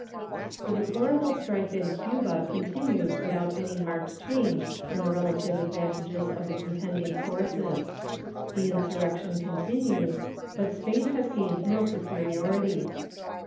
The deplorable strife in Cuba continues without any marked change in the relative advantages of the contending forces. The insurrection continues, but Spain has gained no superiority.